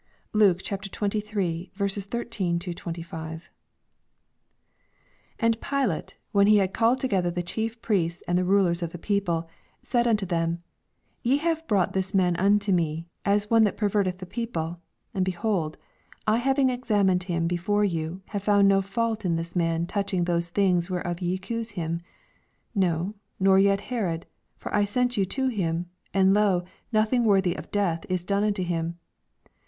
LUKE, CHAP. XXIII. 455 LUKE XXIIL 13—26. 18 And Pilate, when he had called koecther the Clii(>f Priests and the I rulers and the people, 14 Said onto them, Ye ha'^ e brought this man into me, as one that per verteth tae people : and, behold, I, having examined him before you, have found no fanlt in this man touching those things whereof ye accuse him : 15 No, nor yet Herod : for I sent you to him ; and, lo, nothing worthy of death is done unto him.